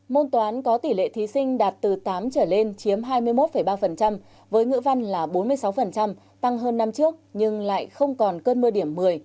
môn toán có tỷ lệ thí sinh đạt từ tám trở lên chiếm hai mươi một ba với ngữ văn là bốn mươi sáu tăng hơn năm trước nhưng lại không còn cơn mưa điểm một mươi